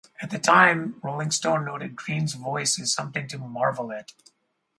At the time, "Rolling Stone" noted "Green's voice is something to marvel at.